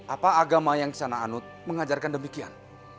apa agama yang kesana anut mengajarkan demikian